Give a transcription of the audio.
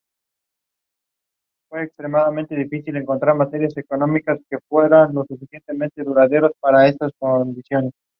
Sin embargo no logró el triunfo.